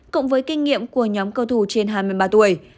cộng với kinh nghiệm của nhóm cầu thủ trên hai mươi ba tuổi